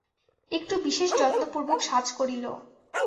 একটু বিশেষ যত্নপূর্বক সাজ করিল।